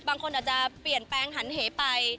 บางคนอาจจะเปลี่ยนแปลงหันเหไป